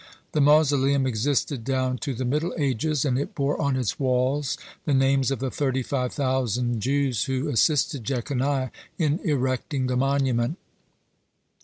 The mausoleum existed down to the middle ages, and it bore on its walls the names of the thirty five thousand Jews who assisted Jeconiah in erecting the monument.